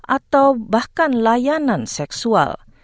atau bahkan layanan yang lebih banyak